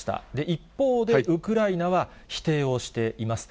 一方で、ウクライナは否定をしています。